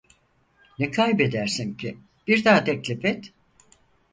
Ne kaybedersin ki, bir daha teklif et.